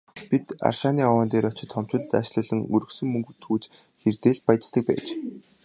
Бид рашааны овоон дээр очиж томчуудад аашлуулан, өргөсөн мөнгө түүж хэрдээ л «баяждаг» байж.